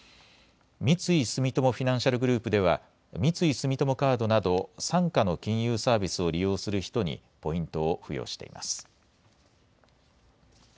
三井住友フィナンシャルグループでは三井住友カードなど傘下の金融サービスを利用する人にポイントを付与しています。